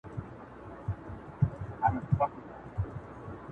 په تور لحد کي به نارې کړم؛